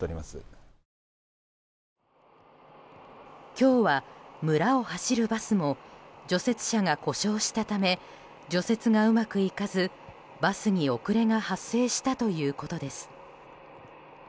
今日は村を走るバスも除雪車が故障したため除雪がうまくいかず、バスに遅れが発生したということです。